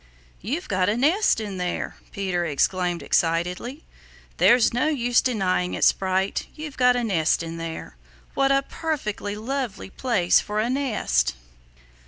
"You've got a nest in there!" Peter exclaimed excitedly. "There's no use denying it, Sprite; you've got a nest in there! What a perfectly lovely place for a nest."